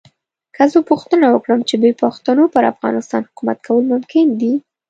که زه پوښتنه وکړم چې بې پښتنو پر افغانستان حکومت کول ممکن دي.